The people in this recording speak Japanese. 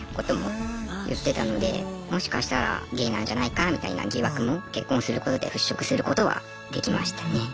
もしかしたらゲイなんじゃないかみたいな疑惑も結婚することで払拭することはできましたね。